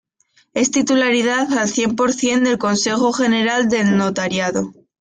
Es titularidad al cien por cien del Consejo General del Notariado.